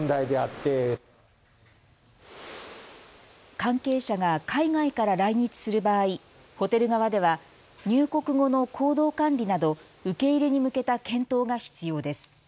関係者が海外から来日する場合、ホテル側では入国後の行動管理など受け入れに向けた検討が必要です。